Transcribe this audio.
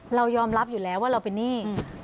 เรายอมรับอยู่แล้วว่าเราเป็นหนี้